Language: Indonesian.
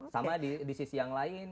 sama di sisi yang lain